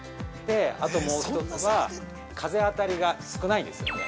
あともう一つは風当たりが少ないですよね。